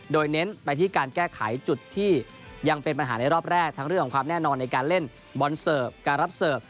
โดยเน้นไปที่การแก้ไขจุดที่ยังเป็นปัญหาในรอบแรกทั้งเรื่องของความแน่นอนในการเล่นบอลเสิร์ฟการรับเสิร์ฟ